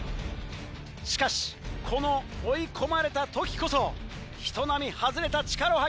しかしこの追い込まれた時こそ人並み外れた力を発揮する。